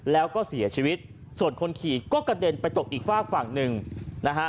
แล้วก็เสียชีวิตส่วนคนขี่ก็กระเด็นไปตกอีกฝากฝั่งหนึ่งนะฮะ